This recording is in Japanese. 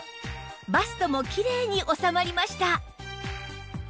バストもきれいに収まりました